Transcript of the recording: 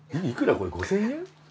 これ５，０００円？